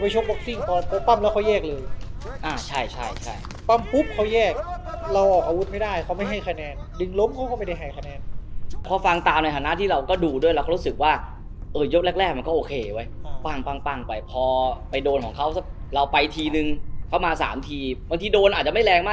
ใช่แต่ว่าเขาต่อยมา๑๒๓๔ดูไม่แรง